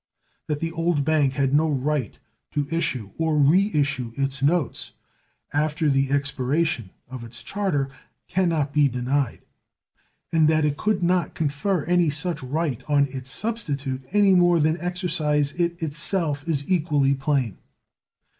That the old bank had no right to issue or re issue its notes after the expiration of its charter can not be denied, and that it could not confer any such right on its substitute any more than exercise it itself is equally plain.